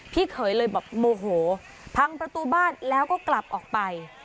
เขยเลยแบบโมโหพังประตูบ้านแล้วก็กลับออกไป